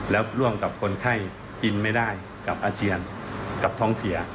แล้วร่วมกับคนไข้กินไม่ได้กับอาเจียนกับท้องเสีย